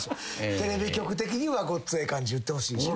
テレビ局的には『ごっつええ感じ』言ってほしいしね。